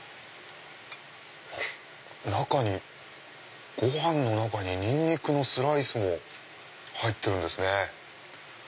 中にご飯の中にニンニクのスライスも入ってるんですね。